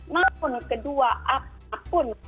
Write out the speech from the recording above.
maupun kedua apapun